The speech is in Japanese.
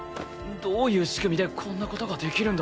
どういう仕組みでこんな事ができるんだ？